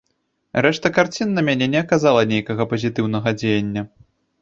Рэшта карцін на мяне не аказала нейкага пазітыўнага дзеяння.